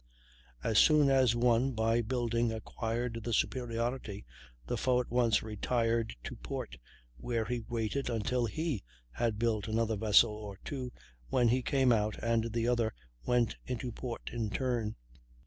As soon as one, by building, acquired the superiority, the foe at once retired to port, where he waited until he had built another vessel or two, when he came out, and the other went into port in turn.